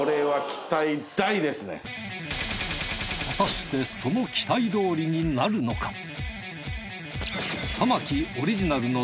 果たしてその期待どおりになるのか？